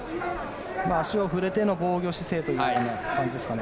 足を触れての防御姿勢ということですかね。